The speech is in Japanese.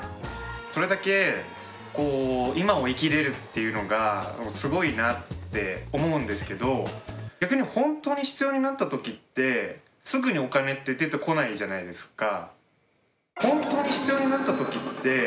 それだけ今を生きれるっていうのがすごいなって思うんですけど逆に本当に必要になった時ってすぐにお金って出てこないじゃないですか。